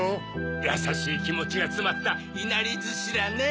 やさしいきもちがつまったいなりずしだねぇ。